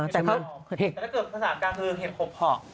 แต่ถ้าเกิดภาษาการคือเห็ดหกห่อ